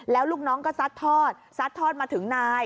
แล้วลูกน้องก็ซัดทอดซัดทอดมาถึงนาย